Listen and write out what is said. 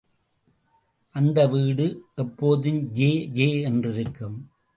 அந்த வீடு எப்போதும் ஜே ஜே என்றிருக்கும்.